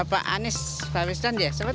bapak anies baswedan ya